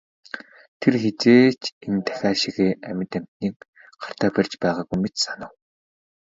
Тэр хэзээ ч энэ тахиа шигээ амьд амьтныг гартаа барьж байгаагүй мэт санав.